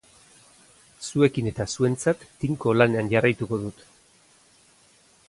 Zuekin eta zuentzat tinko lanean jarraituko dut.